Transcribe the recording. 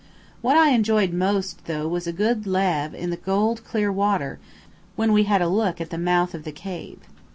What I enjoyed the most, though, was a good lave in the clear cold water when we had a look at the mouth of the cave.